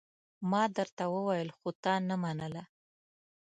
ما درته وويل خو تا نه منله!